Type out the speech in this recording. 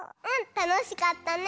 たのしかったね。